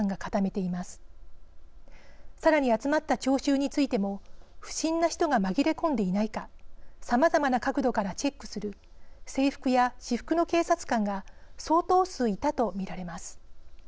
さらに集まった聴衆についても不審な人が紛れ込んでいないかさまざまな角度からチェックする制服や私服の警察官が相当数いたと見られます。